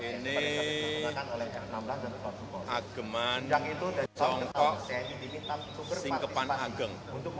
ini ageman songkok singkepan ageng